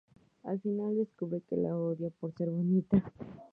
Al final descubre que la odia por ser bonita.